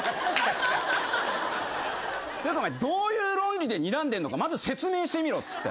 ていうかお前どういう論理でにらんでんのかまず説明してみろっつって。